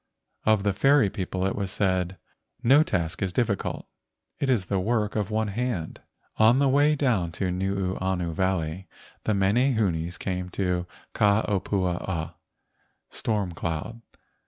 Of the fairy people it was said: "No task is difficult. It is the work of one hand." On the way down Nuuanu Valley the mene¬ hunes came to Ka opua ua (storm cloud).